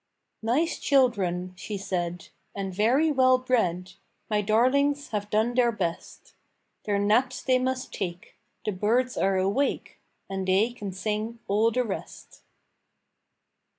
"Nice children," she said, "And very well bred. My darlings have done their best. Their naps they must take: The birds are awake; And they can sing all the rest."